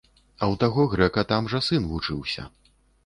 А ў таго грэка там жа сын вучыўся.